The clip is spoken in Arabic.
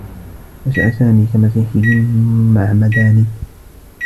نشأ سامي كمسيحيّ معمداني.